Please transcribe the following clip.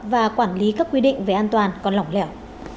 và quản lý các quy định về an toàn còn lỏng lẻo